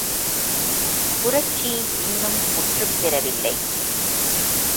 புரட்சி இன்னும் முற்று பெறவில்லை.